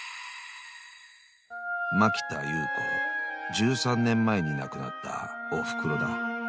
［１３年前に亡くなったおふくろだ］